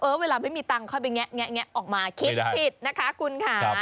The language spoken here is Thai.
เวลาไม่มีตังค์ค่อยไปแงะออกมาคิดผิดนะคะคุณค่ะ